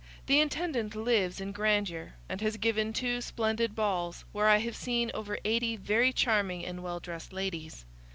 'The intendant lives in grandeur, and has given two splendid balls, where I have seen over eighty very charming and well dressed ladies.